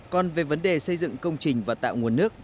còn về vấn đề xây dựng công trình và tạo nguồn nước